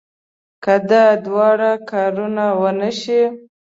که دا دواړه کارونه ونه شي.